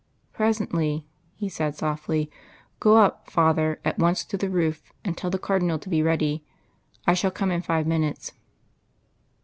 "Presently," he said softly. "Go up, father, at once to the roof, and tell the Cardinal to be ready. I shall come in five minutes."